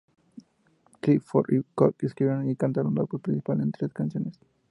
Clifford y Cook escribieron y cantaron la voz principal en tres canciones.